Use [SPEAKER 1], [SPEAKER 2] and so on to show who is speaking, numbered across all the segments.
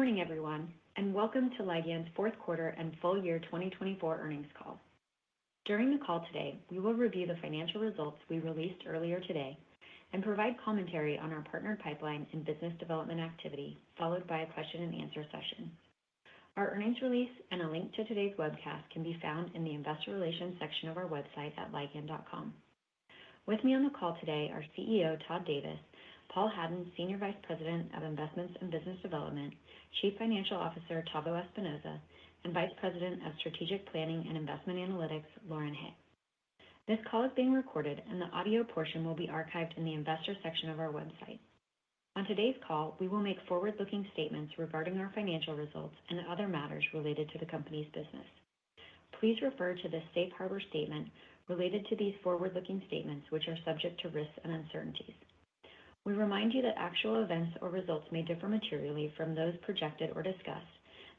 [SPEAKER 1] Good morning, everyone, and welcome to Ligand's Q4 and Full Year 2024 Earnings Call. During the call today, we will review the financial results we released earlier today and provide commentary on our partner pipeline and business development activity, followed by a question-and-answer session. Our earnings release and a link to today's webcast can be found in the investor relations section of our website at ligand.com. With me on the call today are CEO Todd Davis, Paul Hadden, Senior Vice President of Investments and Business Development, Chief Financial Officer Tavo Espinoza, and Vice President of Strategic Planning and Investment Analytics, Lauren Hay. This call is being recorded, and the audio portion will be archived in the investor section of our website. On today's call, we will make forward-looking statements regarding our financial results and other matters related to the company's business. Please refer to the safe harbor statement related to these forward-looking statements, which are subject to risks and uncertainties. We remind you that actual events or results may differ materially from those projected or discussed,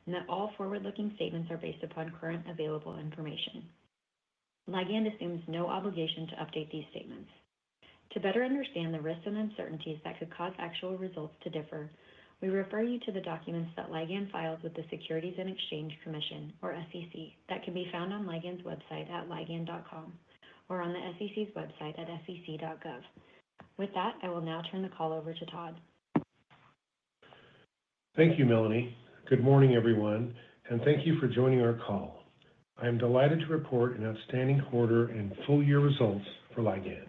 [SPEAKER 1] and that all forward-looking statements are based upon current available information. Ligand assumes no obligation to update these statements. To better understand the risks and uncertainties that could cause actual results to differ, we refer you to the documents that Ligand files with the Securities and Exchange Commission, or SEC, that can be found on Ligand's website at ligand.com or on the SEC's website at sec.gov. With that, I will now turn the call over to Todd.
[SPEAKER 2] Thank you, Melanie. Good morning, everyone, and thank you for joining our call. I am delighted to report an outstanding quarter and full year results for Ligand.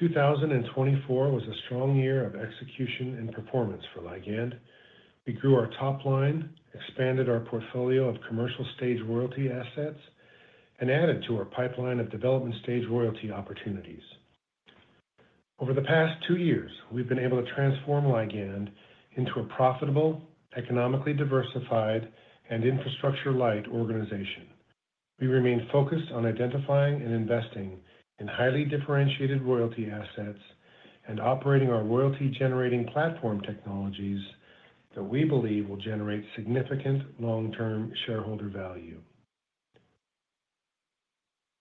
[SPEAKER 2] 2024 was a strong year of execution and performance for Ligand. We grew our top line, expanded our portfolio of commercial stage royalty assets, and added to our pipeline of development stage royalty opportunities. Over the past two years, we've been able to transform Ligand into a profitable, economically diversified, and infrastructure-light organization. We remain focused on identifying and investing in highly differentiated royalty assets and operating our royalty-generating platform technologies that we believe will generate significant long-term shareholder value.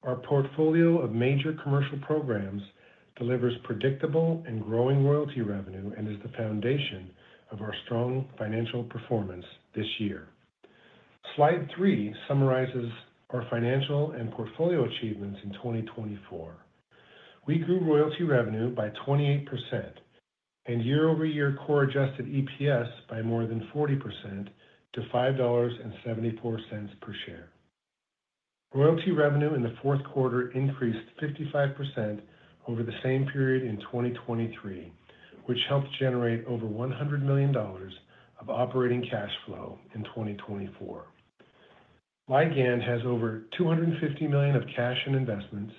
[SPEAKER 2] Our portfolio of major commercial programs delivers predictable and growing royalty revenue and is the foundation of our strong financial performance this year. Slide three summarizes our financial and portfolio achievements in 2024. We grew royalty revenue by 28% and year-over-year core adjusted EPS by more than 40% to $5.74 per share. Royalty revenue in the Q4 increased 55% over the same period in 2023, which helped generate over $100 million of operating cash flow in 2024. Ligand has over $250 million of cash and investments,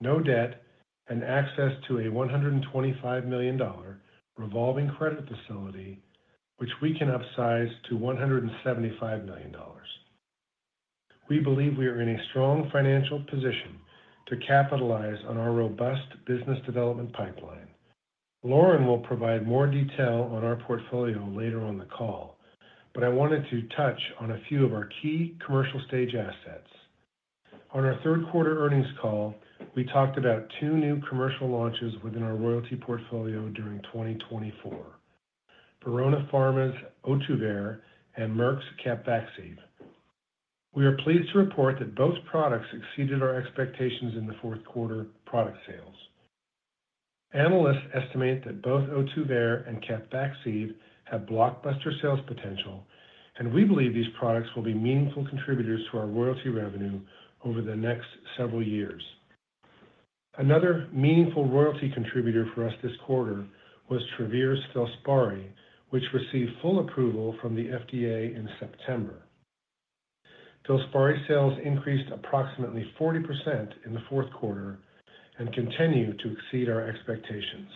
[SPEAKER 2] no debt, and access to a $125 million revolving credit facility, which we can upsize to $175 million. We believe we are in a strong financial position to capitalize on our robust business development pipeline. Lauren will provide more detail on our portfolio later on the call, but I wanted to touch on a few of our key commercial stage assets. On our third quarter earnings call, we talked about two new commercial launches within our royalty portfolio during 2024: Verona Pharma's Ohtuvayre and Merck's Capvaxive. We are pleased to report that both products exceeded our expectations in the Q4 product sales. Analysts estimate that both Ohtuvayre and Capvaxive have blockbuster sales potential, and we believe these products will be meaningful contributors to our royalty revenue over the next several years. Another meaningful royalty contributor for us this quarter was Travere's FILSPARI, which received full approval from the FDA in September. FILSPARI sales increased approximately 40% in the Q4 and continue to exceed our expectations.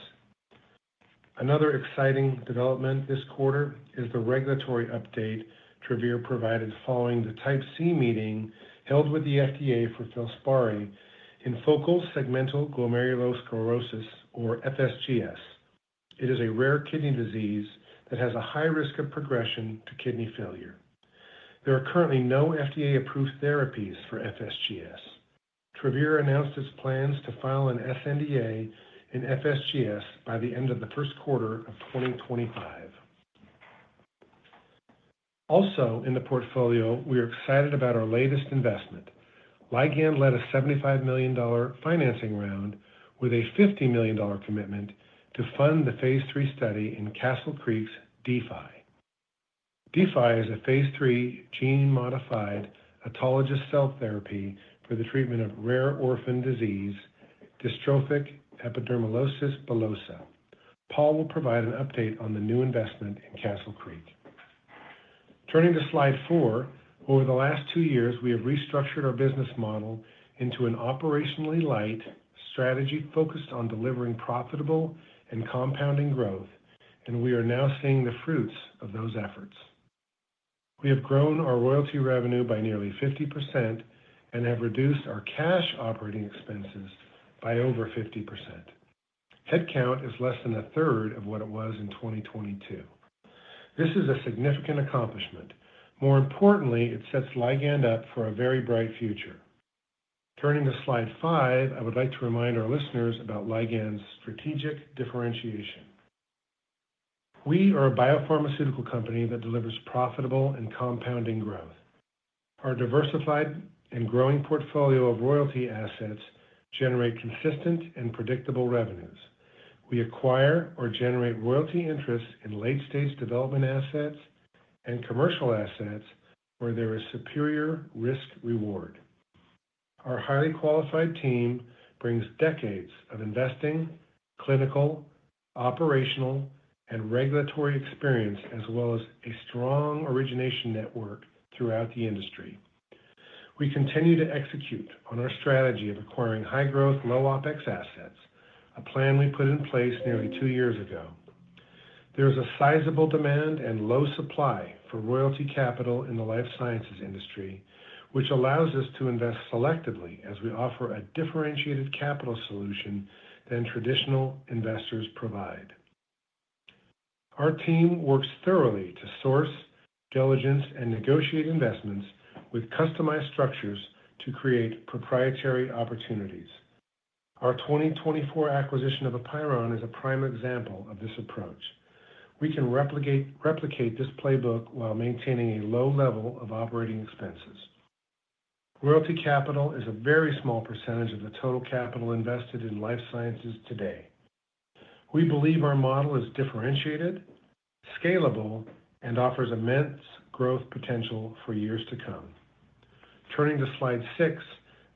[SPEAKER 2] Another exciting development this quarter is the regulatory update Travere provided following the Type C meeting held with the FDA for FILSPARI in focal segmental glomerulosclerosis, or FSGS. It is a rare kidney disease that has a high risk of progression to kidney failure. There are currently no FDA-approved therapies for FSGS. Travere announced its plans to file an sNDA in FSGS by the end of the Q1 of 2025. Also, in the portfolio, we are excited about our latest investment. Ligand led a $75 million financing round with a $50 million commitment to fund the phase III study in Castle Creek's D-Fi. D-Fi is a phase III gene-modified autologous cell therapy for the treatment of rare orphan disease, dystrophic epidermolysis bullosa. Paul will provide an update on the new investment in Castle Creek. Turning to slide four, over the last two years, we have restructured our business model into an operationally light strategy focused on delivering profitable and compounding growth, and we are now seeing the fruits of those efforts. We have grown our royalty revenue by nearly 50% and have reduced our cash operating expenses by over 50%. Headcount is less than a third of what it was in 2022. This is a significant accomplishment. More importantly, it sets Ligand up for a very bright future. Turning to slide five, I would like to remind our listeners about Ligand's strategic differentiation. We are a biopharmaceutical company that delivers profitable and compounding growth. Our diversified and growing portfolio of royalty assets generates consistent and predictable revenues. We acquire or generate royalty interests in late-stage development assets and commercial assets where there is superior risk-reward. Our highly qualified team brings decades of investing, clinical, operational, and regulatory experience, as well as a strong origination network throughout the industry. We continue to execute on our strategy of acquiring high-growth, low-OpEx assets, a plan we put in place nearly two years ago. There is a sizable demand and low supply for royalty capital in the life sciences industry, which allows us to invest selectively as we offer a differentiated capital solution than traditional investors provide. Our team works thoroughly to source, diligence, and negotiate investments with customized structures to create proprietary opportunities. Our 2024 acquisition of APEIRON is a prime example of this approach. We can replicate this playbook while maintaining a low level of operating expenses. Royalty capital is a very small percentage of the total capital invested in life sciences today. We believe our model is differentiated, scalable, and offers immense growth potential for years to come. Turning to slide six,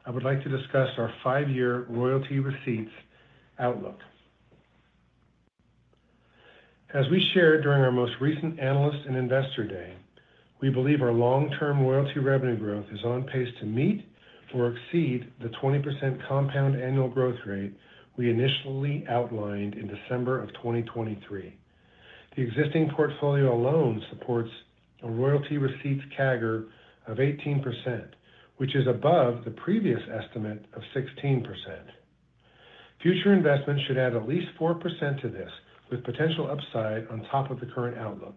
[SPEAKER 2] I would like to discuss our five-year royalty receipts outlook. As we shared during our most recent analyst and investor day, we believe our long-term royalty revenue growth is on pace to meet or exceed the 20% compound annual growth rate we initially outlined in December of 2023. The existing portfolio alone supports a royalty receipts CAGR of 18%, which is above the previous estimate of 16%. Future investments should add at least 4% to this, with potential upside on top of the current outlook.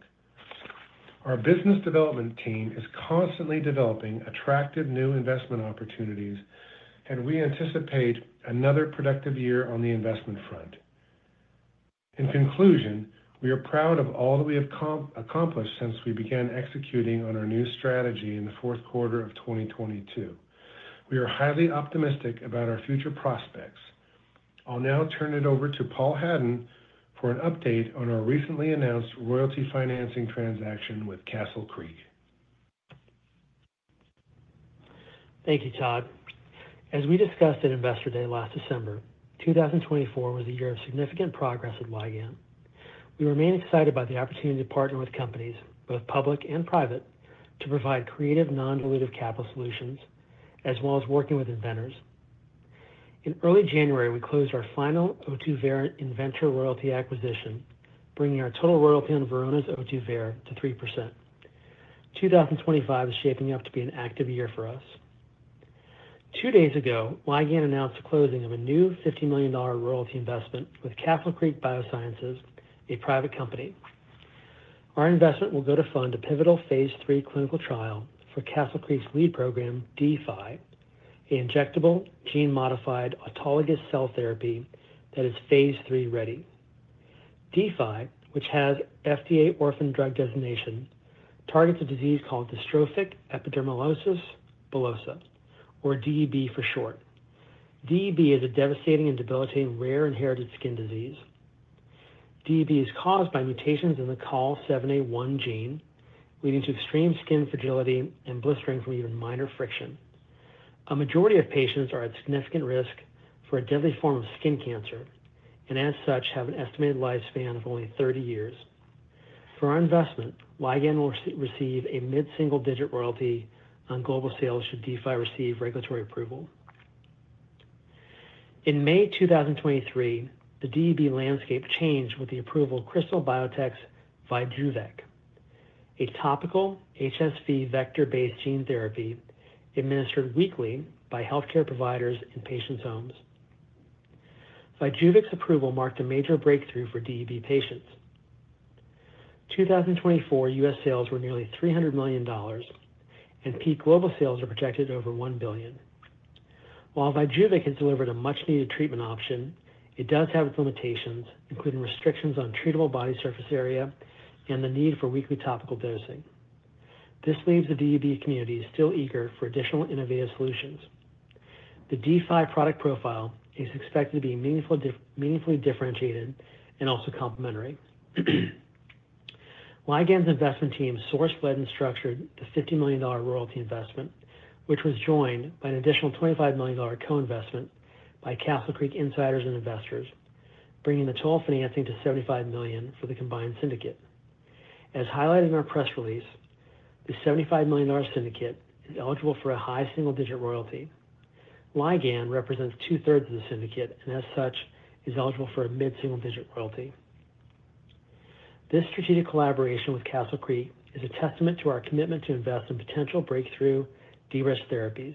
[SPEAKER 2] Our business development team is constantly developing attractive new investment opportunities, and we anticipate another productive year on the investment front. In conclusion, we are proud of all that we have accomplished since we began executing on our new strategy in the Q4 of 2022. We are highly optimistic about our future prospects. I'll now turn it over to Paul Hadden for an update on our recently announced royalty financing transaction with Castle Creek.
[SPEAKER 3] Thank you, Todd. As we discussed at investor day last December, 2024 was a year of significant progress at Ligand. We remain excited by the opportunity to partner with companies, both public and private, to provide creative non-dilutive capital solutions, as well as working with inventors. In early January, we closed our final Ohtuvayre inventor royalty acquisition, bringing our total royalty on Verona's Ohtuvayre to 3%. 2025 is shaping up to be an active year for us. Two days ago, Ligand announced the closing of a new $50 million royalty investment with Castle Creek Biosciences, a private company. Our investment will go to fund a pivotal phase III clinical trial for Castle Creek's lead program, D-Fi, an injectable gene-modified autologous cell therapy that is phase III ready. D-Fi, which has FDA orphan drug designation, targets a disease called dystrophic epidermolysis bullosa, or DEB for short. DEB is a devastating and debilitating rare inherited skin disease. DEB is caused by mutations in the COL7A1 gene, leading to extreme skin fragility and blistering from even minor friction. A majority of patients are at significant risk for a deadly form of skin cancer and, as such, have an estimated lifespan of only 30 years. For our investment, Ligand will receive a mid-single-digit royalty on global sales should D-Fi receive regulatory approval. In May 2023, the DEB landscape changed with the approval of Krystal Biotech's VYJUVEK, a topical HSV vector-based gene therapy administered weekly by healthcare providers in patients' homes. VYJUVEK's approval marked a major breakthrough for DEB patients. 2024 U.S. sales were nearly $300 million, and peak global sales were projected over $1 billion. While VYJUVEK has delivered a much-needed treatment option, it does have its limitations, including restrictions on treatable body surface area and the need for weekly topical dosing. This leaves the DEB community still eager for additional innovative solutions. The D-Fi product profile is expected to be meaningfully differentiated and also complementary. Ligand's investment team sourced, led, and structured the $50 million royalty investment, which was joined by an additional $25 million co-investment by Castle Creek insiders and investors, bringing the total financing to $75 million for the combined syndicate. As highlighted in our press release, the $75 million syndicate is eligible for a high single-digit royalty. Ligand represents2/3 of the syndicate and, as such, is eligible for a mid-single-digit royalty. This strategic collaboration with Castle Creek is a testament to our commitment to invest in potential breakthrough de-risk therapies.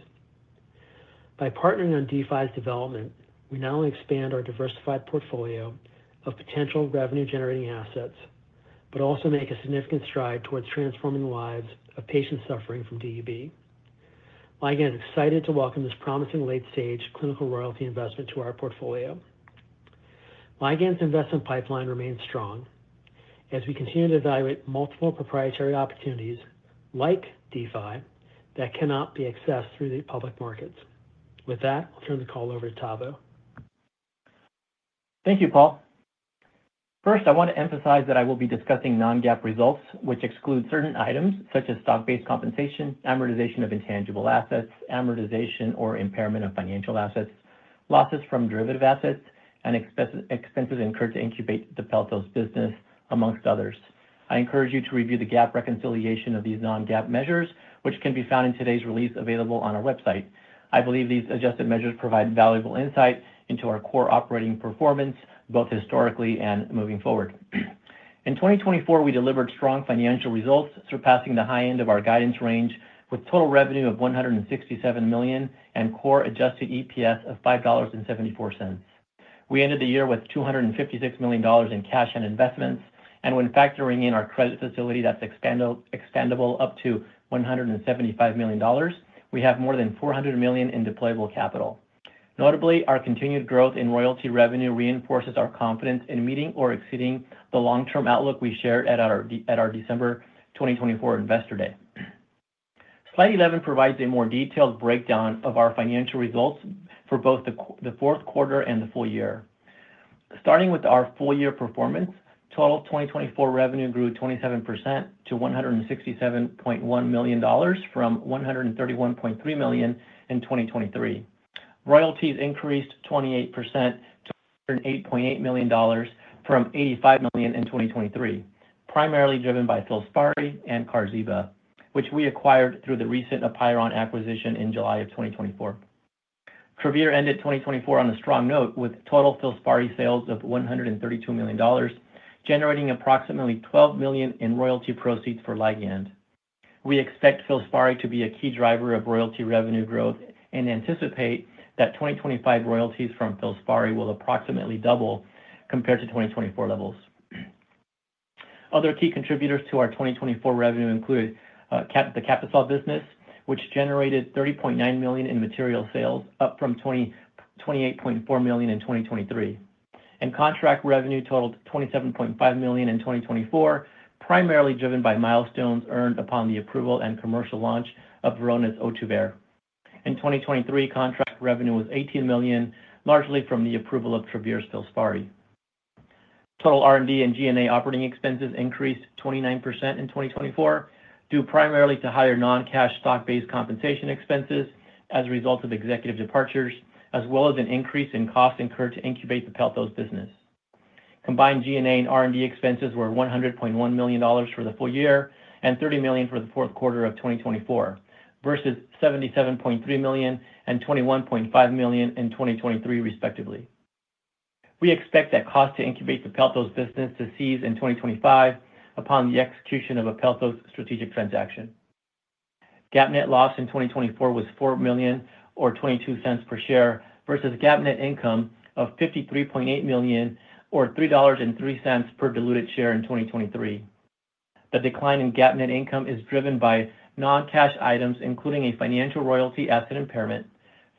[SPEAKER 3] By partnering on D-Fi's development, we not only expand our diversified portfolio of potential revenue-generating assets but also make a significant stride towards transforming the lives of patients suffering from DEB. Ligand is excited to welcome this promising late-stage clinical royalty investment to our portfolio. Ligand's investment pipeline remains strong as we continue to evaluate multiple proprietary opportunities like D-Fi that cannot be accessed through the public markets. With that, I'll turn the call over to Tavo.
[SPEAKER 4] Thank you, Paul. First, I want to emphasize that I will be discussing non-GAAP results, which exclude certain items such as stock-based compensation, amortization of intangible assets, amortization or impairment of financial assets, losses from derivative assets, and expenses incurred to incubate the Pelto's business, among others. I encourage you to review the GAAP reconciliation of these non-GAAP measures, which can be found in today's release available on our website. I believe these adjusted measures provide valuable insight into our core operating performance, both historically and moving forward. In 2024, we delivered strong financial results, surpassing the high end of our guidance range, with total revenue of $167 million and core adjusted EPS of $5.74. We ended the year with $256 million in cash and investments, and when factoring in our credit facility that's expandable up to $175 million, we have more than $400 million in deployable capital. Notably, our continued growth in royalty revenue reinforces our confidence in meeting or exceeding the long-term outlook we shared at our December 2024 investor day. Slide 11 provides a more detailed breakdown of our financial results for both the Q4 and the full year. Starting with our full-year performance, total 2024 revenue grew 27% to $167.1 million from $131.3 million in 2023. Royalty increased 28% to $108.8 million from $85 million in 2023, primarily driven by FILSPARI and Qarziba, which we acquired through the recent APEIRON acquisition in July of 2024. Travere ended 2024 on a strong note with total FILSPARI sales of $132 million, generating approximately $12 million in royalty proceeds for Ligand. We expect FILSPARI to be a key driver of royalty revenue growth and anticipate that 2025 royalties from FILSPARI will approximately double compared to 2024 levels. Other key contributors to our 2024 revenue include the Captisol business, which generated $30.9 million in material sales, up from $28.4 million in 2023, and contract revenue totaled $27.5 million in 2024, primarily driven by milestones earned upon the approval and commercial launch of Verona's Ohtuvayre. In 2023, contract revenue was $18 million, largely from the approval of Travere's FILSPARI. Total R&D and G&A operating expenses increased 29% in 2024 due primarily to higher non-cash stock-based compensation expenses as a result of executive departures, as well as an increase in costs incurred to incubate the Pelto's business. Combined G&A and R&D expenses were $100.1 million for the full year and $30 million for the Q4 of 2024, versus $77.3 million and $21.5 million in 2023, respectively. We expect that cost to incubate the Pelto's business to cease in 2025 upon the execution of a Pelto's strategic transaction. GAAP net loss in 2024 was $4 million or $0.22 per share, versus GAAP net income of $53.8 million or $3.03 per diluted share in 2023. The decline in GAAP net income is driven by non-cash items, including a financial royalty asset impairment,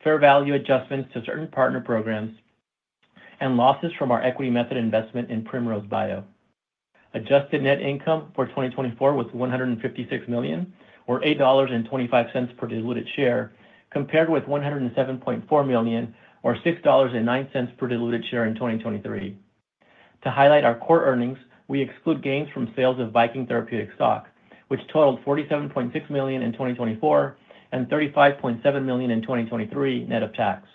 [SPEAKER 4] fair value adjustments to certain partner programs, and losses from our equity method investment in Primrose Bio. Adjusted Net Income for 2024 was $156 million or $8.25 per diluted share, compared with $107.4 million or $6.09 per diluted share in 2023. To highlight our core earnings, we exclude gains from sales of Viking Therapeutics stock, which totaled $47.6 million in 2024 and $35.7 million in 2023, net of tax.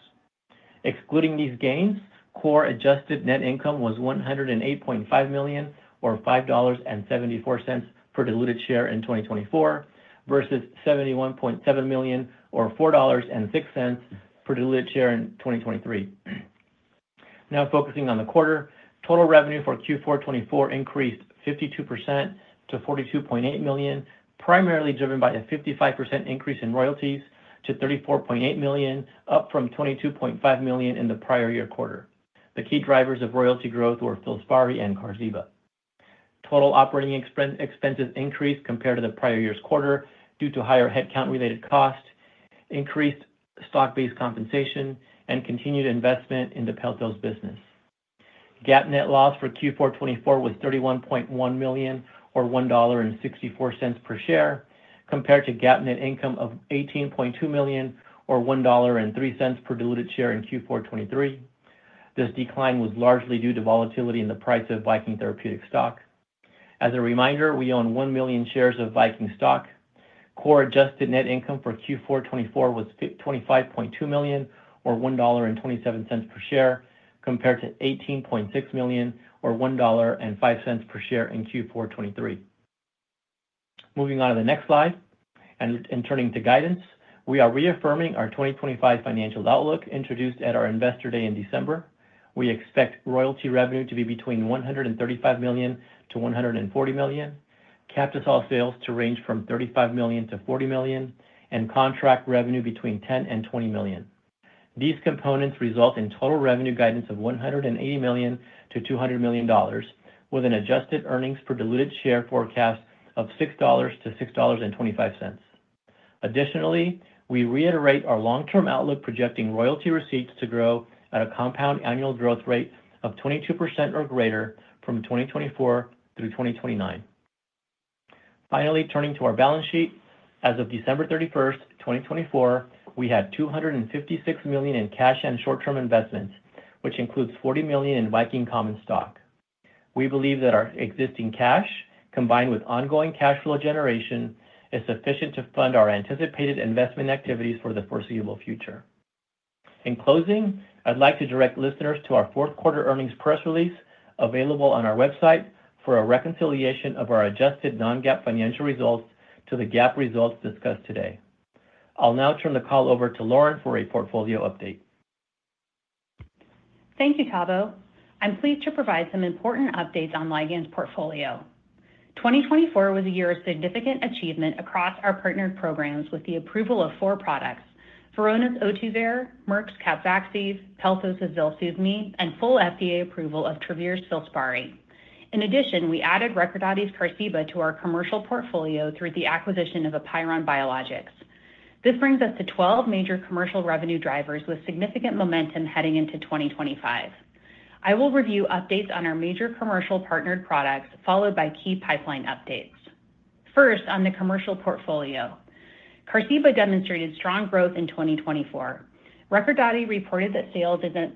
[SPEAKER 4] Excluding these gains, core adjusted net income was $108.5 million or $5.74 per diluted share in 2024, versus $71.7 million or $4.06 per diluted share in 2023. Now, focusing on the quarter, total revenue for Q4 2024 increased 52% to $42.8 million, primarily driven by a 55% increase in royalties to $34.8 million, up from $22.5 million in the prior year quarter. The key drivers of royalty growth were FILSPARI and Qarziba. Total operating expenses increased compared to the prior year's quarter due to higher headcount-related costs, increased stock-based compensation, and continued investment in the Pelto's business. GAAP net loss for Q4 2024 was $31.1 million or $1.64 per share, compared to GAAP net income of $18.2 million or $1.03 per diluted share in Q4 2023. This decline was largely due to volatility in the price of Viking Therapeutics stock. As a reminder, we own 1 million shares of Viking stock. Core adjusted net income for Q4 2024 was $25.2 million or $1.27 per share, compared to $18.6 million or $1.05 per share in Q4 2023. Moving on to the next slide and turning to guidance, we are reaffirming our 2025 financial outlook introduced at our investor day in December. We expect royalty revenue to be between $135 million-$140 million, capital sales to range from $35 million-$40 million, and contract revenue between $10 million and $20 million. These components result in total revenue guidance of $180 million-$200 million, with an adjusted earnings per diluted share forecast of $6.00-$6.25. Additionally, we reiterate our long-term outlook projecting royalty receipts to grow at a compound annual growth rate of 22% or greater from 2024 through 2029. Finally, turning to our balance sheet, as of December 31, 2024, we had $256 million in cash and short-term investments, which includes $40 million in Viking Common Stock. We believe that our existing cash, combined with ongoing cash flow generation, is sufficient to fund our anticipated investment activities for the foreseeable future. In closing, I'd like to direct listeners to our Q4 earnings press release available on our website for a reconciliation of our adjusted non-GAAP financial results to the GAAP results discussed today. I'll now turn the call over to Lauren for a portfolio update.
[SPEAKER 5] Thank you, Tavo. I'm pleased to provide some important updates on Ligand's portfolio. 2024 was a year of significant achievement across our partnered programs with the approval of four products: Verona's Ohtuvayre, Merck's Capvaxive, Pelto's ZELSUVMI, and full FDA approval of Travere's FILSPARI. In addition, we added Recordati's Qarziba to our commercial portfolio through the acquisition of APEIRON Biologics. This brings us to 12 major commercial revenue drivers with significant momentum heading into 2025. I will review updates on our major commercial partnered products, followed by key pipeline updates. First, on the commercial portfolio, Qarziba demonstrated strong growth in 2024. Recordati reported that sales in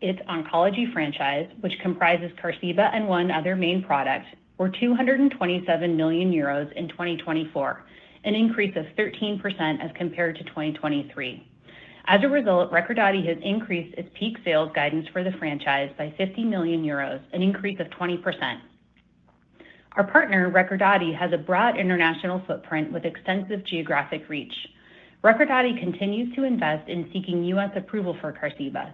[SPEAKER 5] its oncology franchise, which comprises Qarziba and one other main product, were 227 million euros in 2024, an increase of 13% as compared to 2023. As a result, Recordati has increased its peak sales guidance for the franchise by 50 million euros, an increase of 20%. Our partner, Recordati, has a broad international footprint with extensive geographic reach. Recordati continues to invest in seeking U.S. approval for Qarziba.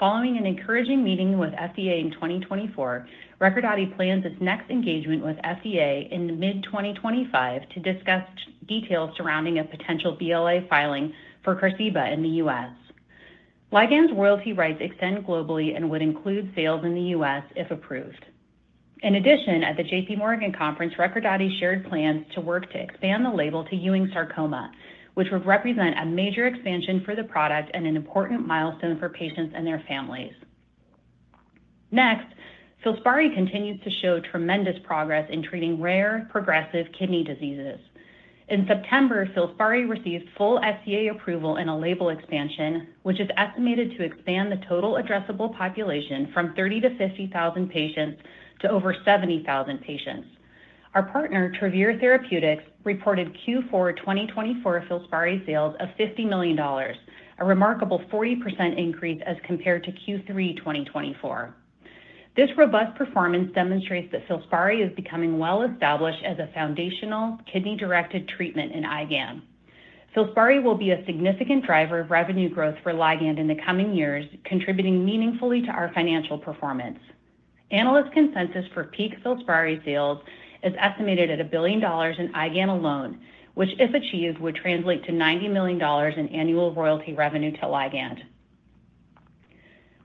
[SPEAKER 5] Following an encouraging meeting with FDA in 2024, Recordati plans its next engagement with FDA in mid-2025 to discuss details surrounding a potential BLA filing for Qarziba in the U.S. Ligand's royalty rights extend globally and would include sales in the U.S. if approved. In addition, at the J.P. Morgan Conference, Recordati shared plans to work to expand the label to Ewing Sarcoma, which would represent a major expansion for the product and an important milestone for patients and their families. Next, FILSPARI continues to show tremendous progress in treating rare progressive kidney diseases. In September, FILSPARI received full FDA approval in a label expansion, which is estimated to expand the total addressable population from 30,000 to 50,000 patients to over 70,000 patients. Our partner, Travere Therapeutics, reported Q4 2024 FILSPARI sales of $50 million, a remarkable 40% increase as compared to Q3 2024. This robust performance demonstrates that FILSPARI is becoming well-established as a foundational kidney-directed treatment in Ligand. FILSPARI will be a significant driver of revenue growth for Ligand in the coming years, contributing meaningfully to our financial performance. Analyst consensus for peak FILSPARI sales is estimated at $1 billion in Ligand alone, which, if achieved, would translate to $90 million in annual royalty revenue to Ligand.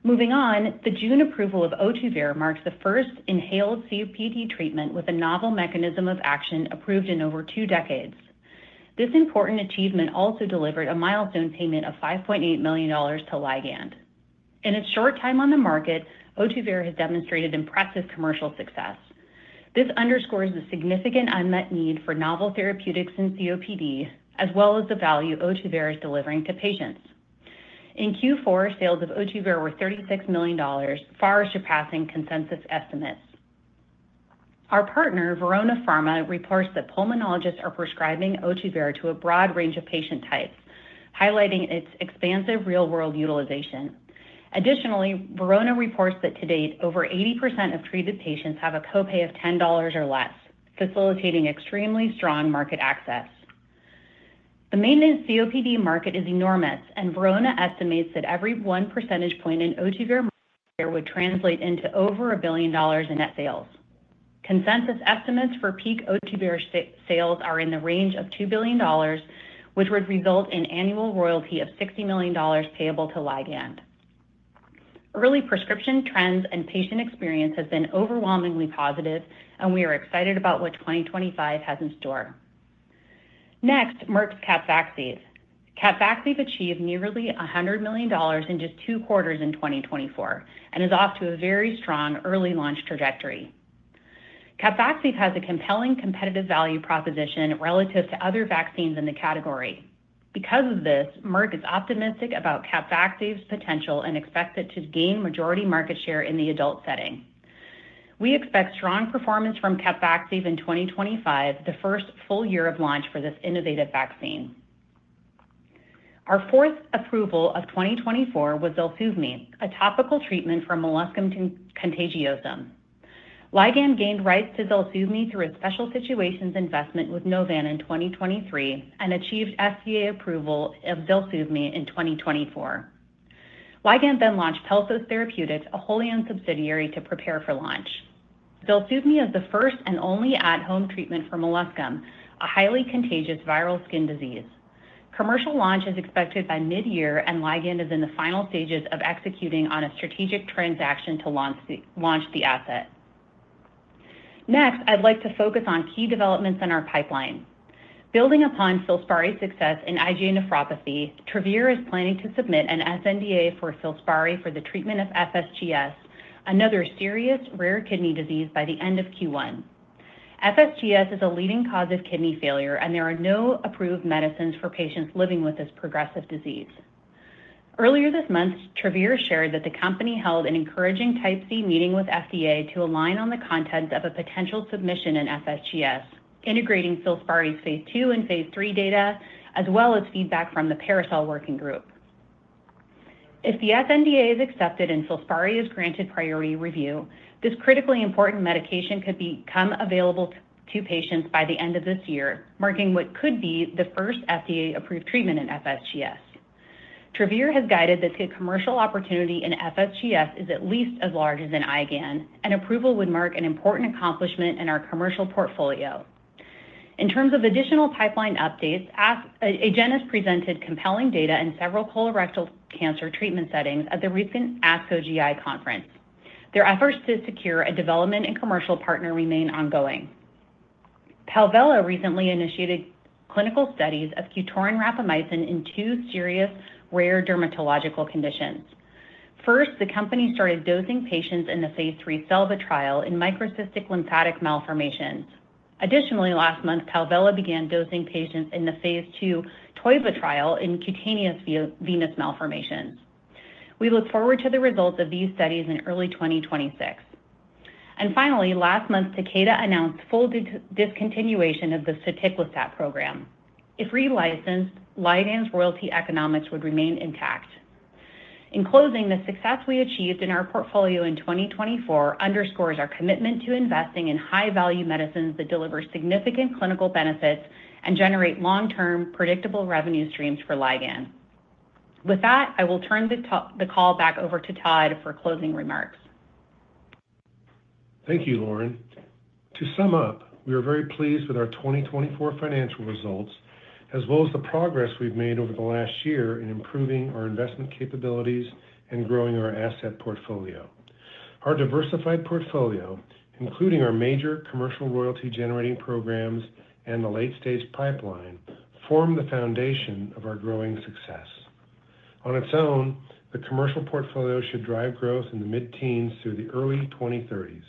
[SPEAKER 5] Moving on, the June approval of Ohtuvayre marks the first inhaled COPD treatment with a novel mechanism of action approved in over two decades. This important achievement also delivered a milestone payment of $5.8 million to Ligand. In its short time on the market, Ohtuvayre has demonstrated impressive commercial success. This underscores the significant unmet need for novel therapeutics in COPD, as well as the value Ohtuvayre is delivering to patients. In Q4, sales of Ohtuvayre were $36 million, far surpassing consensus estimates. Our partner, Verona Pharma, reports that pulmonologists are prescribing Ohtuvayre to a broad range of patient types, highlighting its expansive real-world utilization. Additionally, Verona reports that to date, over 80% of treated patients have a copay of $10 or less, facilitating extremely strong market access. The maintenance COPD market is enormous, and Verona estimates that every one percentage point in Ohtuvayre would translate into over $1 billion in net sales. Consensus estimates for peak Ohtuvayre sales are in the range of $2 billion, which would result in annual royalty of $60 million payable to Ligand. Early prescription trends and patient experience have been overwhelmingly positive, and we are excited about what 2025 has in store. Next, Merck's Capvaxive. Capvaxive achieved nearly $100 million in just two quarters in 2024 and is off to a very strong early launch trajectory. Capvaxive has a compelling competitive value proposition relative to other vaccines in the category. Because of this, Merck is optimistic about Capvaxive's potential and expects it to gain majority market share in the adult setting. We expect strong performance from Capvaxive in 2025, the first full year of launch for this innovative vaccine. Our fourth approval of 2024 was ZELSUVMI, a topical treatment for molluscum contagiosum. Ligand gained rights to ZELSUVMI through a special situations investment with Novan in 2023 and achieved FDA approval of ZELSUVMI in 2024. Ligand then launched Pelto Therapeutics, a wholly owned subsidiary, to prepare for launch. ZELSUVMI is the first and only at-home treatment for molluscum, a highly contagious viral skin disease. Commercial launch is expected by mid-year, and Ligand is in the final stages of executing on a strategic transaction to launch the asset. Next, I'd like to focus on key developments in our pipeline. Building upon FILSPARI's success in IgA nephropathy, Travere is planning to submit an sNDA for FILSPARI for the treatment of FSGS, another serious rare kidney disease by the end of Q1. FSGS is a leading cause of kidney failure, and there are no approved medicines for patients living with this progressive disease. Earlier this month, Travere shared that the company held an encouraging Type C meeting with FDA to align on the contents of a potential submission in FSGS, integrating FILSPARI's phase II and phase III data, as well as feedback from the PARASOL working group. If the sNDA is accepted and FILSPARI is granted priority review, this critically important medication could become available to patients by the end of this year, marking what could be the first FDA-approved treatment in FSGS. Travere has guided that the commercial opportunity in FSGS is at least as large as in IgA, and approval would mark an important accomplishment in our commercial portfolio. In terms of additional pipeline updates, Agenus presented compelling data in several colorectal cancer treatment settings at the recent ASCO GI Conference. Their efforts to secure a development and commercial partner remain ongoing. Palvella recently initiated clinical studies of Qtorin rapamycin in two serious rare dermatological conditions. First, the company started dosing patients in the phase III Selva trial in microcystic lymphatic malformations. Additionally, last month, Palvella began dosing patients in the phase II Toiva trial in cutaneous venous malformations. We look forward to the results of these studies in early 2026. And finally, last month, Takeda announced full discontinuation of the soticlestat program. If relicensed, Ligand's royalty economics would remain intact. In closing, the success we achieved in our portfolio in 2024 underscores our commitment to investing in high-value medicines that deliver significant clinical benefits and generate long-term predictable revenue streams for Ligand. With that, I will turn the call back over to Todd for closing remarks.
[SPEAKER 2] Thank you, Lauren. To sum up, we are very pleased with our 2024 Financial Results, as well as the progress we've made over the last year in improving our investment capabilities and growing our asset portfolio. Our diversified portfolio, including our major commercial royalty-generating programs and the late-stage pipeline, forms the foundation of our growing success. On its own, the commercial portfolio should drive growth in the mid-teens through the early 2030s.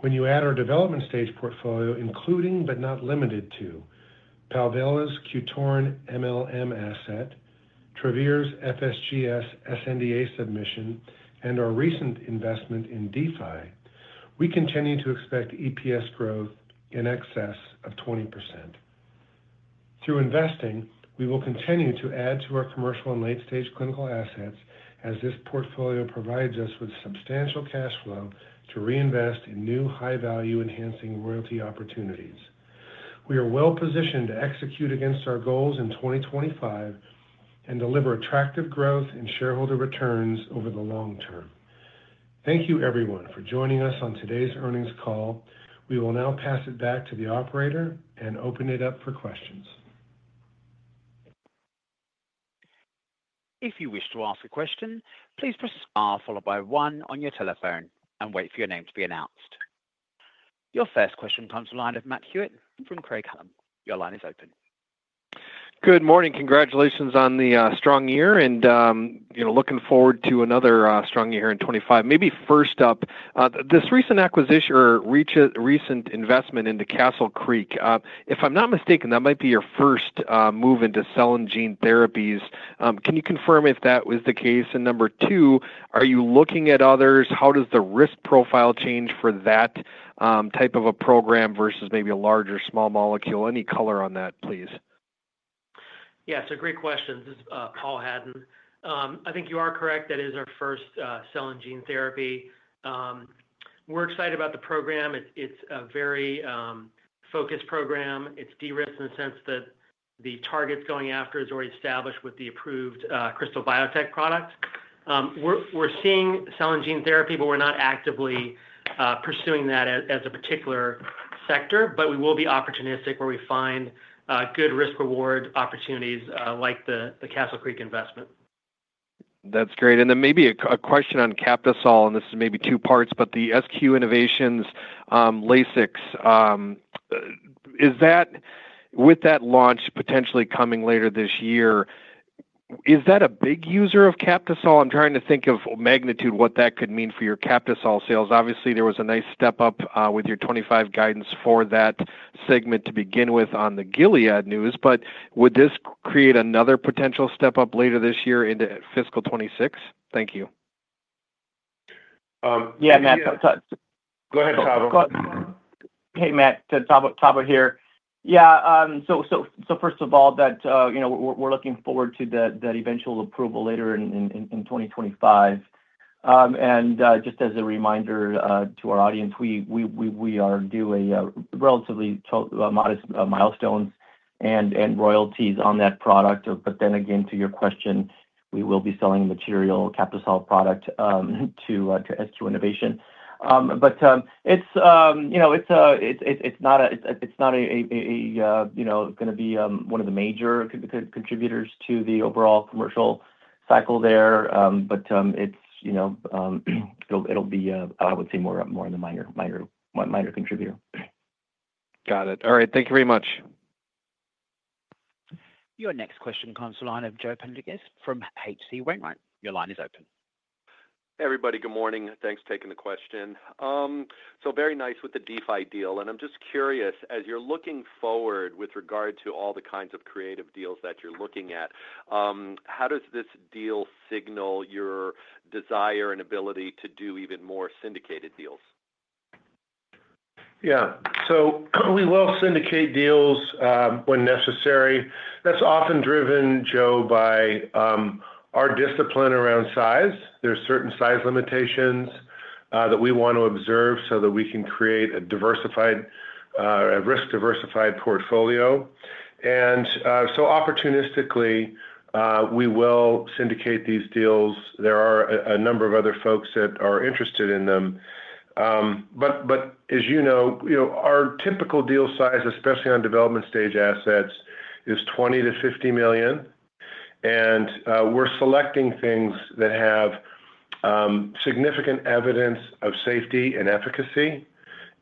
[SPEAKER 2] When you add our development-stage portfolio, including but not limited to Palvella's Qtorin MLM asset, Travere's FSGS sNDA submission, and our recent investment in D-Fi, we continue to expect EPS growth in excess of 20%. Through investing, we will continue to add to our commercial and late-stage clinical assets, as this portfolio provides us with substantial cash flow to reinvest in new high-value-enhancing royalty opportunities. We are well-positioned to execute against our goals in 2025 and deliver attractive growth and shareholder returns over the long term. Thank you, everyone, for joining us on today's earnings call. We will now pass it back to the operator and open it up for questions.
[SPEAKER 6] If you wish to ask a question, please press star followed by one on your telephone and wait for your name to be announced. Your first question comes from the line of Matt Hewitt from Craig-Hallum. Your line is open.
[SPEAKER 7] Good morning. Congratulations on the strong year, and looking forward to another strong year here in 2025. Maybe first up, this recent acquisition or recent investment into Castle Creek, if I'm not mistaken, that might be your first move into cell and gene therapies. Can you confirm if that was the case? And number two, are you looking at others? How does the risk profile change for that type of a program versus maybe a large or small molecule? Any color on that, please.
[SPEAKER 3] Yeah, it's a great question. This is Paul Hadden. I think you are correct. That is our first cell and gene therapy. We're excited about the program. It's a very focused program. It's de-risked in the sense that the targets going after is already established with the approved Krystal Biotech product. We're seeing cell and gene therapy, but we're not actively pursuing that as a particular sector, but we will be opportunistic where we find good risk-reward opportunities like the Castle Creek investment.
[SPEAKER 7] That's great. And then maybe a question on Captisol, and this is maybe two parts, but the SQ Innovation LASIX, with that launch potentially coming later this year, is that a big user of Captisol? I'm trying to think of magnitude what that could mean for your Captisol sales. Obviously, there was a nice step up with your 2025 guidance for that segment to begin with on the Gilead news, but would this create another potential step up later this year into fiscal 2026? Thank you.
[SPEAKER 2] Yeah, Matt.
[SPEAKER 3] Go ahead, Todd.
[SPEAKER 2] Hey, Matt. Todd here. Yeah. So first of all, we're looking forward to that eventual approval later in 2025. And just as a reminder to our audience, we are doing relatively modest milestones and royalties on that product. But then again, to your question, we will be selling material Captisol product to SQ Innovation. But it's not going to be one of the major contributors to the overall commercial cycle there, but it'll be, I would say, more of a minor contributor.
[SPEAKER 7] Got it. All right. Thank you very much.
[SPEAKER 6] Your next question comes to the line of Joe Pantginis from H.C. Wainwright. Your line is open.
[SPEAKER 8] Hey, everybody. Good morning. Thanks for taking the question. So very nice with the D-Fi deal. And I'm just curious, as you're looking forward with regard to all the kinds of creative deals that you're looking at, how does this deal signal your desire and ability to do even more syndicated deals?
[SPEAKER 2] Yeah. So we will syndicate deals when necessary. That's often driven, Joe, by our discipline around size. There are certain size limitations that we want to observe so that we can create a risk-diversified portfolio. And so opportunistically, we will syndicate these deals. There are a number of other folks that are interested in them. But as you know, our typical deal size, especially on development-stage assets, is $20 million-$50 million. And we're selecting things that have significant evidence of safety and efficacy,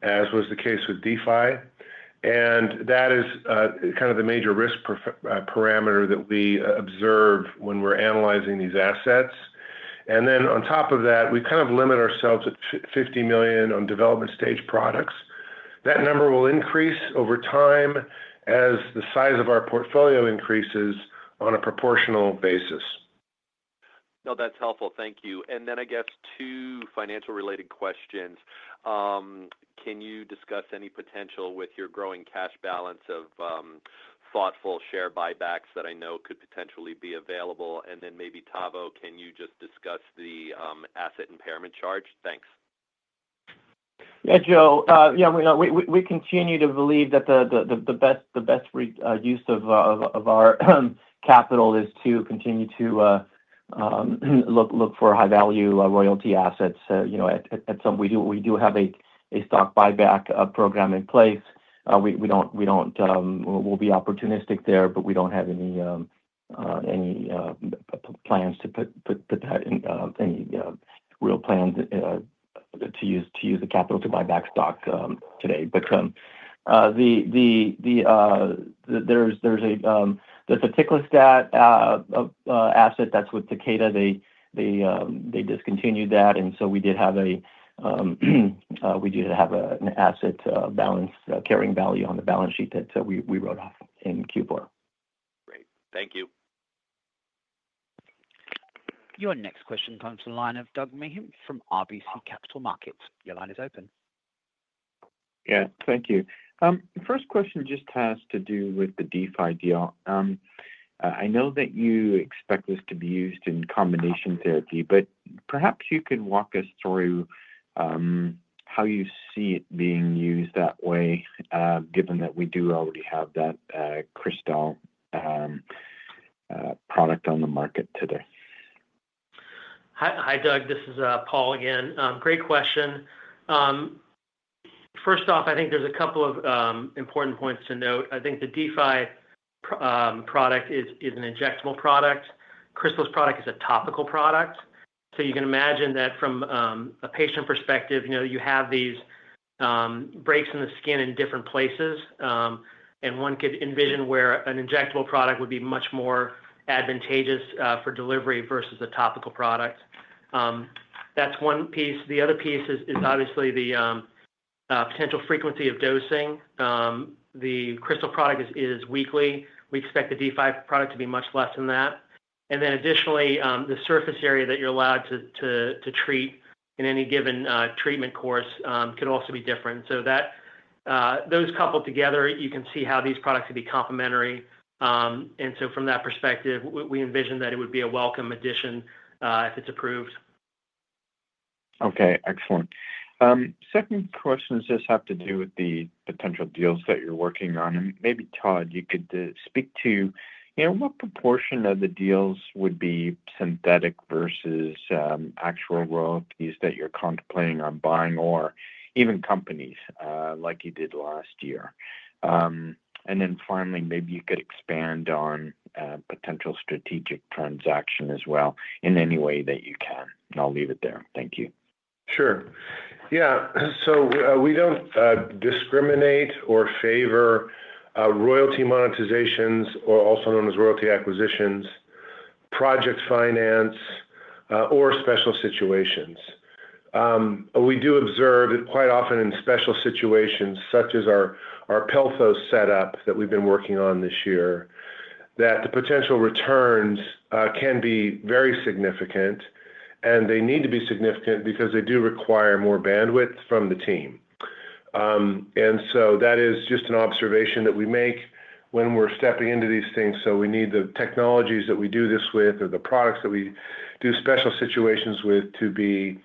[SPEAKER 2] as was the case with D-Fi. And that is kind of the major risk parameter that we observe when we're analyzing these assets. And then on top of that, we kind of limit ourselves at $50 million on development-stage products. That number will increase over time as the size of our portfolio increases on a proportional basis.
[SPEAKER 8] No, that's helpful. Thank you. And then I guess two financial-related questions. Can you discuss any potential with your growing cash balance of thoughtful share buybacks that I know could potentially be available? And then maybe, Tavo, can you just discuss the asset impairment charge? Thanks.
[SPEAKER 4] Yeah, Joe. Yeah, we continue to believe that the best use of our capital is to continue to look for high-value royalty assets. We do have a stock buyback program in place. We don't want to be opportunistic there, but we don't have any plans to put that in any real plans to use the capital to buy back stock today. But there's a soticlestat asset that's with Takeda. They discontinued that. And so we did have an asset balance carrying value on the balance sheet that we wrote off in Q4.
[SPEAKER 8] Great. Thank you.
[SPEAKER 6] Your next question comes to the line of Doug Miehm from RBC Capital Markets. Your line is open.
[SPEAKER 9] Yeah. Thank you. First question just has to do with the D-Fi deal. I know that you expect this to be used in combination therapy, but perhaps you can walk us through how you see it being used that way, given that we do already have that Krystal product on the market today.
[SPEAKER 3] Hi, Doug. This is Paul again. Great question. First off, I think there's a couple of important points to note. I think the D-Fi product is an injectable product. Krystal's product is a topical product. So you can imagine that from a patient perspective, you have these breaks in the skin in different places, and one could envision where an injectable product would be much more advantageous for delivery versus a topical product. That's one piece. The other piece is obviously the potential frequency of dosing. The Krystal product is weekly. We expect the D-Fi product to be much less than that. And then additionally, the surface area that you're allowed to treat in any given treatment course could also be different. So those coupled together, you can see how these products could be complementary. And so from that perspective, we envision that it would be a welcome addition if it's approved.
[SPEAKER 9] Okay. Excellent. Second question just has to do with the potential deals that you're working on. And maybe, Todd, you could speak to what proportion of the deals would be synthetic versus actual royalties that you're contemplating on buying or even companies like you did last year? And then finally, maybe you could expand on potential strategic transaction as well in any way that you can. And I'll leave it there. Thank you.
[SPEAKER 2] Sure. Yeah. So we don't discriminate or favor royalty monetizations, or also known as royalty acquisitions, project finance, or special situations. We do observe quite often in special situations, such as our Pelto's setup that we've been working on this year, that the potential returns can be very significant, and they need to be significant because they do require more bandwidth from the team. And so that is just an observation that we make when we're stepping into these things. So we need the technologies that we do this with or the products that we do special situations with to be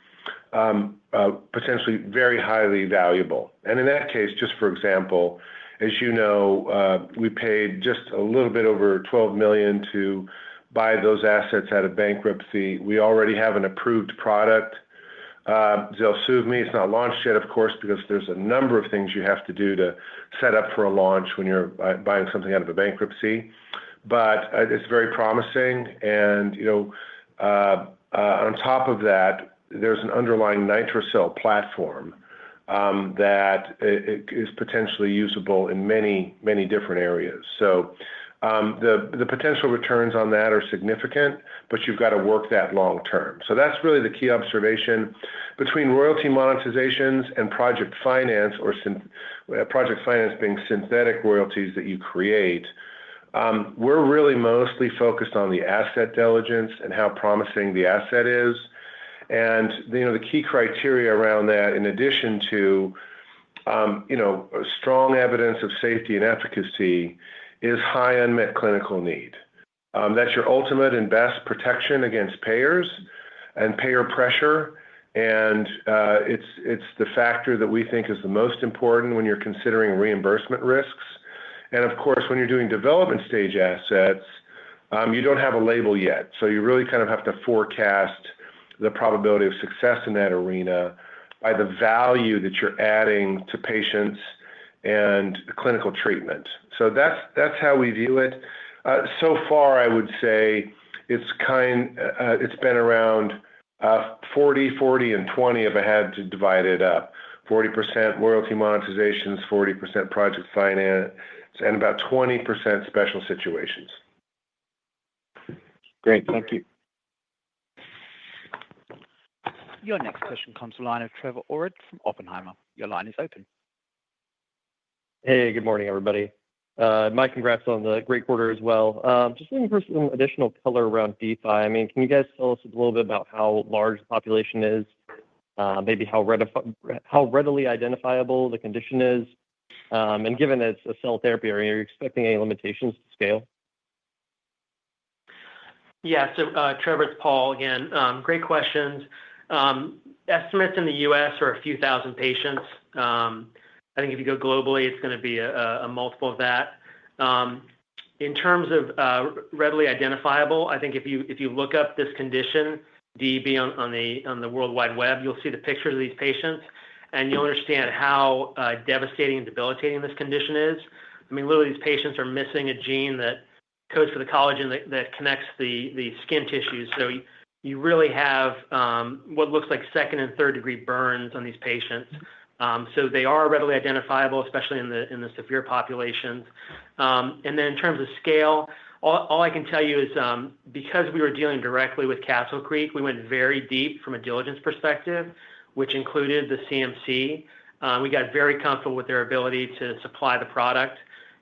[SPEAKER 2] potentially very highly valuable. And in that case, just for example, as you know, we paid just a little bit over $12 million to buy those assets out of bankruptcy. We already have an approved product. ZELSUVMI. It's not launched yet, of course, because there's a number of things you have to do to set up for a launch when you're buying something out of a bankruptcy. But it's very promising. And on top of that, there's an underlying NitroCell platform that is potentially usable in many, many different areas. So the potential returns on that are significant, but you've got to work that long term. So that's really the key observation. Between royalty monetizations and project finance, or project finance being synthetic royalties that you create, we're really mostly focused on the due diligence and how promising the asset is. And the key criteria around that, in addition to strong evidence of safety and efficacy, is high unmet clinical need. That's your ultimate and best protection against payers and payer pressure. It's the factor that we think is the most important when you're considering reimbursement risks. Of course, when you're doing development-stage assets, you don't have a label yet. You really kind of have to forecast the probability of success in that arena by the value that you're adding to patients and clinical treatment. That's how we view it. So far, I would say it's been around 40, 40, and 20 if I had to divide it up. 40% royalty monetizations, 40% project finance, and about 20% special situations.
[SPEAKER 9] Great. Thank you.
[SPEAKER 6] Your next question comes to the line of Trevor Allred from Oppenheimer. Your line is open.
[SPEAKER 10] Hey, good morning, everybody. My congrats on the great quarter as well. Just looking for some additional color around D-Fi. I mean, can you guys tell us a little bit about how large the population is, maybe how readily identifiable the condition is? And given it's a cell therapy, are you expecting any limitations to scale?
[SPEAKER 3] Yeah. So Trevor, it's Paul again. Great questions. Estimates in the U.S. are a few thousand patients. I think if you go globally, it's going to be a multiple of that. In terms of readily identifiable, I think if you look up this condition, DEB on the World Wide Web, you'll see the pictures of these patients, and you'll understand how devastating and debilitating this condition is. I mean, literally, these patients are missing a gene that codes for the collagen that connects the skin tissues. So you really have what looks like second- and third-degree burns on these patients. So they are readily identifiable, especially in the severe populations. And then in terms of scale, all I can tell you is because we were dealing directly with Castle Creek, we went very deep from a diligence perspective, which included the CMC. We got very comfortable with their ability to supply the product.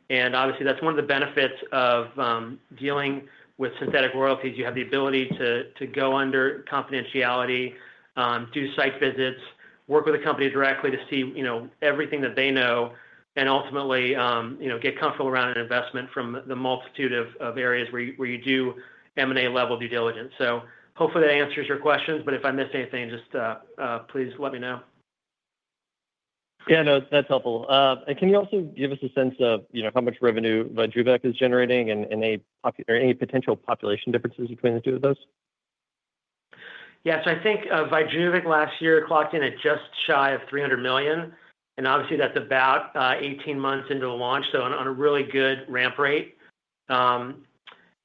[SPEAKER 3] And obviously, that's one of the benefits of dealing with synthetic royalties. You have the ability to go under confidentiality, do site visits, work with a company directly to see everything that they know, and ultimately get comfortable around an investment from the multitude of areas where you do M&A-level due diligence. So hopefully, that answers your questions. But if I missed anything, just please let me know.
[SPEAKER 10] Yeah. No, that's helpful. And can you also give us a sense of how much revenue VYJUVEK is generating and any potential population differences between the two of those?
[SPEAKER 3] Yeah. So I think VYJUVEK last year clocked in at just shy of $300 million. And obviously, that's about 18 months into the launch, so on a really good ramp rate. And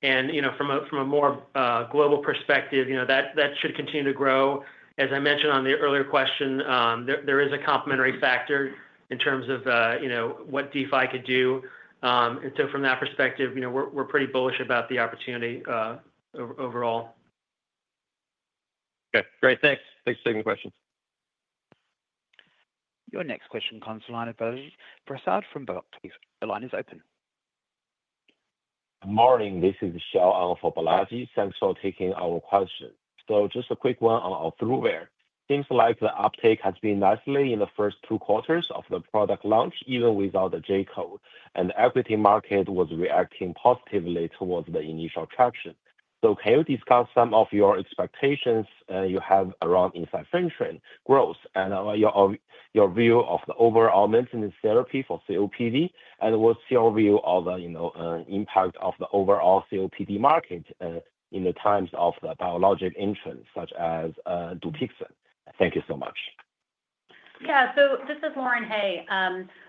[SPEAKER 3] from a more global perspective, that should continue to grow. As I mentioned on the earlier question, there is a complementary factor in terms of what D-Fi could do. And so from that perspective, we're pretty bullish about the opportunity overall.
[SPEAKER 8] Okay. Great. Thanks. Thanks for taking the questions.
[SPEAKER 6] Your next question comes to the line of Balaji Prasad from Barclays, please. The line is open.
[SPEAKER 11] Good morning. This is Michelle Allen for Barclays. Thanks for taking our question. So just a quick one on our Ohtuvayre. Seems like the uptake has been nicely in the first two quarters of the product launch, even without the J-code. And the equity market was reacting positively towards the initial traction. So can you discuss some of your expectations you have around ensifentrine growth and your view of the overall maintenance therapy for COPD, and what's your view of the impact of the overall COPD market in the times of the biologic entrance, such as Dupixent? Thank you so much.
[SPEAKER 5] Yeah. So this is Lauren Hay.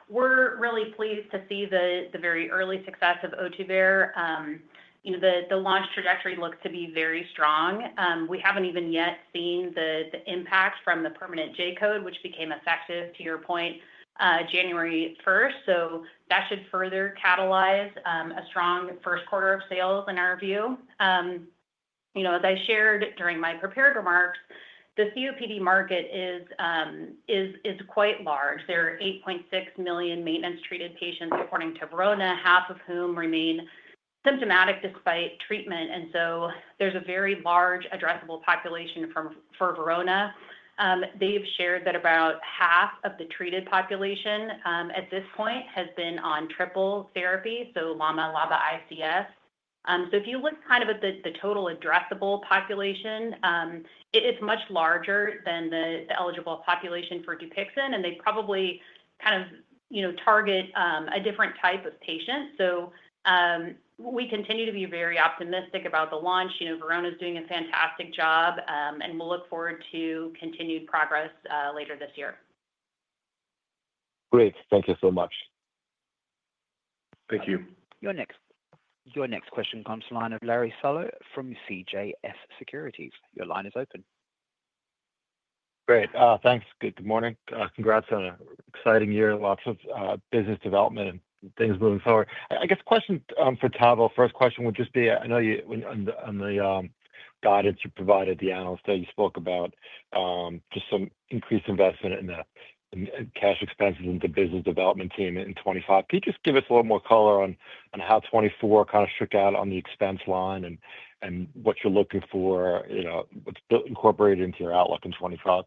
[SPEAKER 5] We're really pleased to see the very early success of Ohtuvayre. The launch trajectory looks to be very strong. We haven't even yet seen the impact from the permanent J-code, which became effective, to your point, January 1st. So that should further catalyze a strong Q1 of sales in our view. As I shared during my prepared remarks, the COPD market is quite large. There are 8.6 million maintenance-treated patients, according to Verona, half of whom remain symptomatic despite treatment. And so there's a very large addressable population for Verona. They've shared that about half of the treated population at this point has been on triple therapy, so LAMA, LABA, ICS. So if you look kind of at the total addressable population, it's much larger than the eligible population for Dupixent, and they probably kind of target a different type of patient. So we continue to be very optimistic about the launch. Verona is doing a fantastic job, and we'll look forward to continued progress later this year.
[SPEAKER 11] Great. Thank you so much.
[SPEAKER 2] Thank you.
[SPEAKER 6] Your next question comes to the line of Larry Solow from CJS Securities. Your line is open.
[SPEAKER 12] Great. Thanks. Good morning. Congrats on an exciting year. Lots of business development and things moving forward. I guess question for Tavo. First question would just be I know on the guidance you provided, the analyst that you spoke about, just some increased investment in the cash expenses and the business development team in 2025. Can you just give us a little more color on how 2024 kind of shook out on the expense line and what you're looking for, what's incorporated into your outlook in 2025?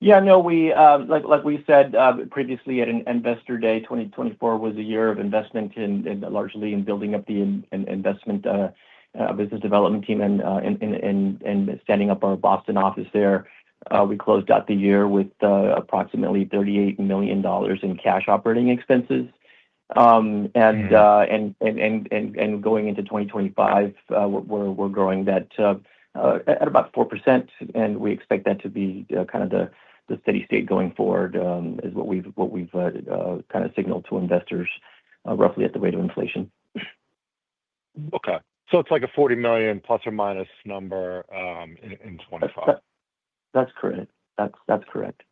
[SPEAKER 4] Yeah. No, like we said previously at Investor Day, 2024 was a year of investment largely in building up the investment business development team and standing up our Boston office there. We closed out the year with approximately $38 million in cash operating expenses. And going into 2025, we're growing that at about 4%, and we expect that to be kind of the steady state going forward is what we've kind of signaled to investors roughly at the rate of inflation.
[SPEAKER 12] Okay, so it's like a $40 million plus or minus number in 2025.
[SPEAKER 4] That's correct. That's correct.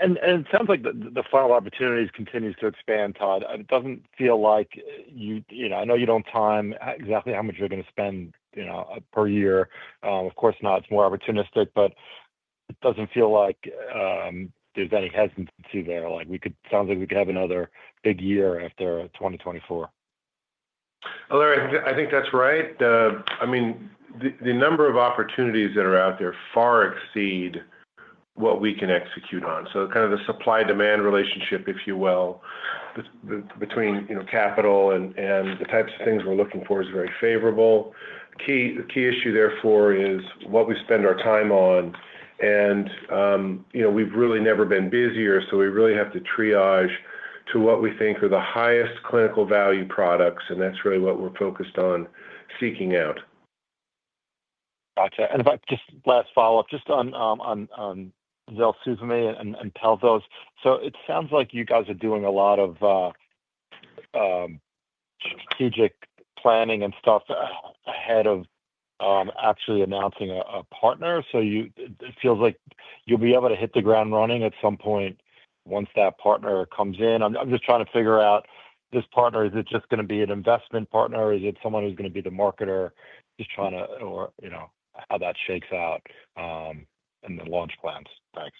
[SPEAKER 12] And it sounds like the funnel opportunities continues to expand, Todd. It doesn't feel like you I know you don't time exactly how much you're going to spend per year. Of course, now it's more opportunistic, but it doesn't feel like there's any hesitancy there. It sounds like we could have another big year after 2024.
[SPEAKER 2] Larry, I think that's right. I mean, the number of opportunities that are out there far exceed what we can execute on. So kind of the supply-demand relationship, if you will, between capital and the types of things we're looking for is very favorable. The key issue, therefore, is what we spend our time on. And we've really never been busier, so we really have to triage to what we think are the highest clinical value products, and that's really what we're focused on seeking out.
[SPEAKER 12] Gotcha. And just last follow-up, just on ZELSUVMI and FILSPARI. So it sounds like you guys are doing a lot of strategic planning and stuff ahead of actually announcing a partner. So it feels like you'll be able to hit the ground running at some point once that partner comes in. I'm just trying to figure out this partner, is it just going to be an investment partner, or is it someone who's going to be the marketer? Just trying to know how that shakes out and the launch plans. Thanks.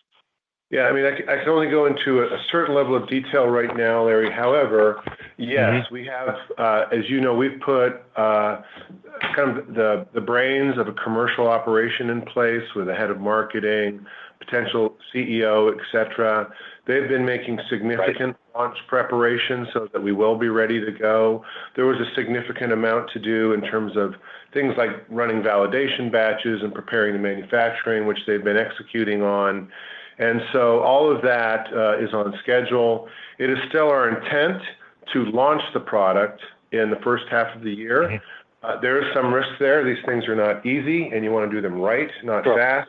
[SPEAKER 2] Yeah. I mean, I can only go into a certain level of detail right now, Larry. However, yes, as you know, we've put kind of the brains of a commercial operation in place with a head of marketing, potential CEO, etc. They've been making significant launch preparations so that we will be ready to go. There was a significant amount to do in terms of things like running validation batches and preparing the manufacturing, which they've been executing on. And so all of that is on schedule. It is still our intent to launch the product in the first half of the year. There is some risk there. These things are not easy, and you want to do them right, not fast,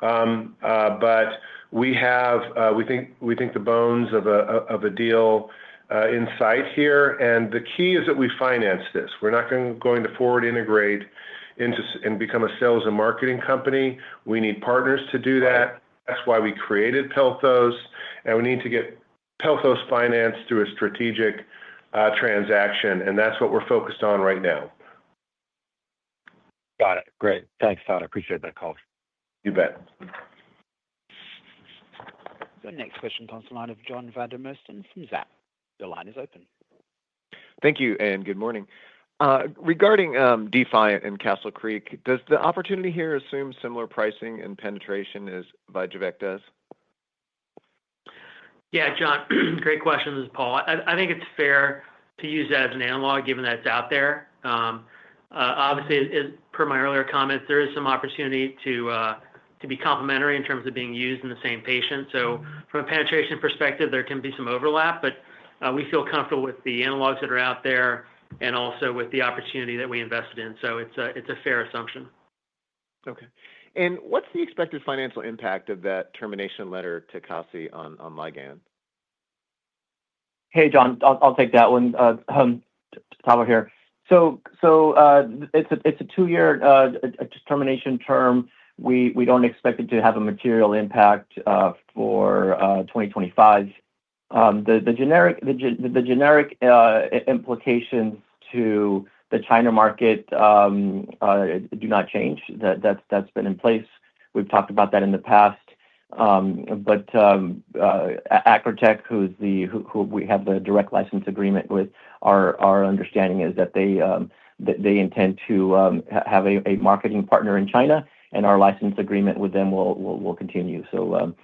[SPEAKER 2] but we think the bones of a deal in sight here, and the key is that we finance this. We're not going to forward integrate and become a sales and marketing company. We need partners to do that. That's why we created Pelto. And we need to get Pelto financed through a strategic transaction. And that's what we're focused on right now.
[SPEAKER 12] Got it. Great. Thanks, Todd. I appreciate that call.
[SPEAKER 2] You bet.
[SPEAKER 6] The next question comes to the line of John Vandermosten from Zacks. The line is open.
[SPEAKER 13] Thank you. Good morning. Regarding D-Fi and Castle Creek, does the opportunity here assume similar pricing and penetration as VYJUVEK does?
[SPEAKER 3] Yeah, John, great question, as well. I think it's fair to use that as an analog given that it's out there. Obviously, per my earlier comments, there is some opportunity to be complementary in terms of being used in the same patient. So from a penetration perspective, there can be some overlap, but we feel comfortable with the analogs that are out there and also with the opportunity that we invested in. So it's a fair assumption.
[SPEAKER 13] Okay. And what's the expected financial impact of that termination letter to CASI on Ligand?
[SPEAKER 4] Hey, John, I'll take that one. Tavo here. So it's a two-year termination term. We don't expect it to have a material impact for 2025. The generic implications to the China market do not change. That's been in place. We've talked about that in the past. But Acrotech, who we have the direct license agreement with, our understanding is that they intend to have a marketing partner in China, and our license agreement with them will continue. So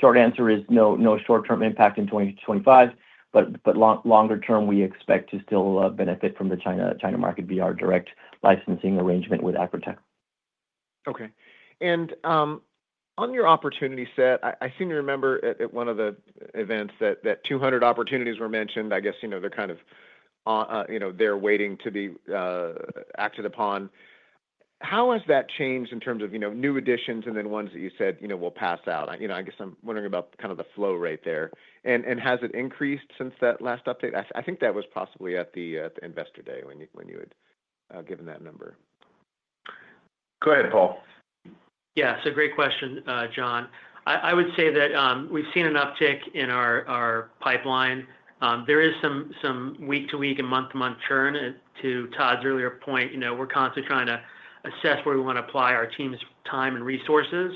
[SPEAKER 4] short answer is no short-term impact in 2025, but longer term, we expect to still benefit from the China market via our direct licensing arrangement with Acrotech.
[SPEAKER 13] Okay. And on your opportunity set, I seem to remember at one of the events that 200 opportunities were mentioned. I guess they're kind of there waiting to be acted upon. How has that changed in terms of new additions and then ones that you said will pass out? I guess I'm wondering about kind of the flow rate there. And has it increased since that last update? I think that was possibly at the Investor Day when you had given that number.
[SPEAKER 2] Go ahead, Paul.
[SPEAKER 3] Yeah. So great question, John. I would say that we've seen an uptick in our pipeline. There is some week-to-week and month-to-month churn. To Todd's earlier point, we're constantly trying to assess where we want to apply our team's time and resources.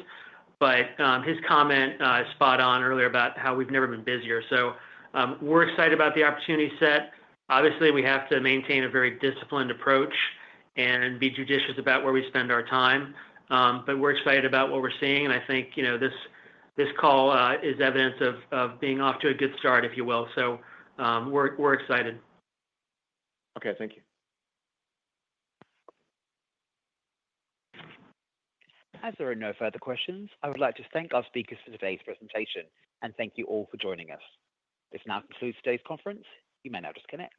[SPEAKER 3] But his comment is spot on earlier about how we've never been busier. So we're excited about the opportunity set. Obviously, we have to maintain a very disciplined approach and be judicious about where we spend our time. But we're excited about what we're seeing. And I think this call is evidence of being off to a good start, if you will. So we're excited.
[SPEAKER 13] Okay. Thank you.
[SPEAKER 6] As there are no further questions, I would like to thank our speakers for today's presentation and thank you all for joining us. This now concludes today's conference. You may now disconnect.